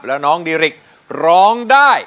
แล้วน้องดิริกร้องได้